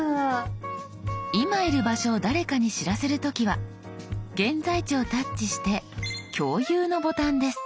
今いる場所を誰かに知らせる時は「現在地」をタッチして「共有」のボタンです。